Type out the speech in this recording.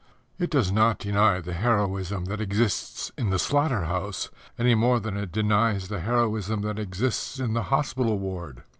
It does not deny the heroism that exists in the slaughter house any more than it denies the heroism that exists in the hospital ward.